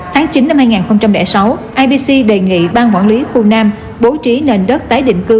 tháng chín năm hai nghìn sáu ibc đề nghị ban quản lý khu nam bố trí nền đất tái định cư